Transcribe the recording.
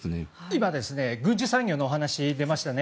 今、軍需産業のお話が出ましたね。